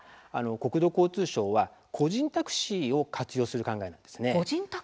国土交通省は個人タクシーを活用する考えなんです。